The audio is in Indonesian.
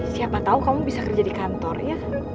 siapa tahu kamu bisa kerja di kantor ya